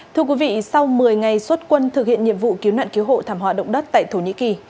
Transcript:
thưa quý vị sau một mươi ngày xuất quân thực hiện nhiệm vụ cứu nạn cứu hộ thảm họa động đất tại thổ nhĩ kỳ